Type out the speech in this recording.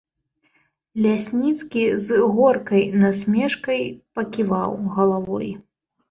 Лясніцкі з горкай насмешкай паківаў галавой.